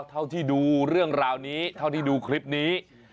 เท่าที่ดูเรื่องราวนี้เท่าที่ดูคลิปนี้